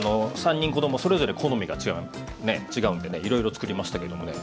３人子供それぞれ好みが違うんでねいろいろ作りましたけどもね